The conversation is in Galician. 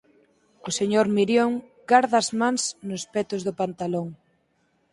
O señor Mirión garda as mans nos petos do pantalón.